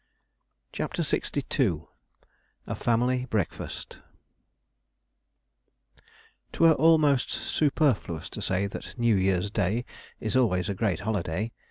CHAPTER LXII A FAMILY BREAKFAST 'Twere almost superfluous to say that NEW YEAR'S DAY is always a great holiday.